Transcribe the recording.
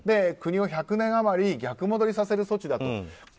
国を１００年余り逆戻りさせる措置だと。